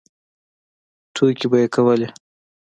ټوکې به یې کولې.